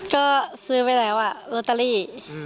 ก็ซื้อไปแล้วอ่ะโอเตอรี่๐๕๔